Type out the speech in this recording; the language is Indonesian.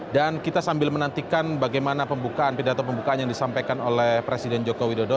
dan kita sambil menantikan bagaimana pembukaan pidato pembukaan yang disampaikan oleh presiden joko widodo